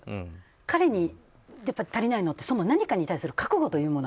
彼に足りないのは何かに対する覚悟というもの。